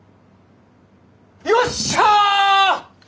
よっしゃ！